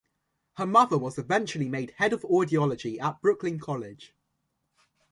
Her mother was eventually made Head of Audiology at Brooklyn College.